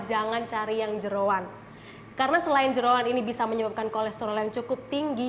jangan cari yang jerawan karena selain jerawan ini bisa menyebabkan kolesterol yang cukup tinggi